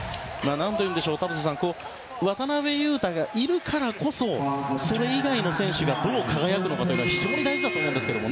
何といいましょう、田臥さん渡邊雄太がいるからこそそれ以外の選手がどう輝くかというのが非常に大事だと思うんですけども。